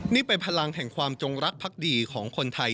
นี่เป็นพลังแห่งความจงรักพักดีของคนไทย